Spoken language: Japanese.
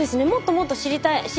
もっともっと知りたい。